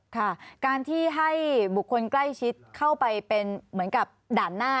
ค่ะการที่ให้บุคคลใกล้ชิดเข้าไปเป็นเหมือนกับด่านหน้า